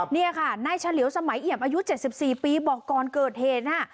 นี่ค่ะนายเฉลียวสมัยเอี่ยมอายุ๗๔ปีบอกก่อนเกิดเหตุน่ะ